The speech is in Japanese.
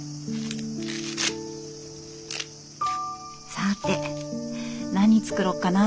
さて何作ろうかな。